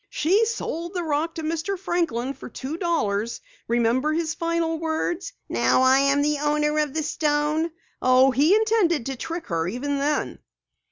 "She sold the rock to Mr. Franklin for two dollars. Remember his final words: 'Now I am the owner of the stone.' Oh, he intended to trick her even then!"